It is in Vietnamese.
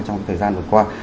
trong cái thời gian vừa qua